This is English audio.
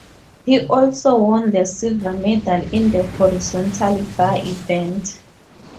He also won the silver medal in the horizontal bar event.